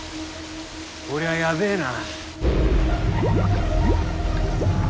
こりゃやべえな。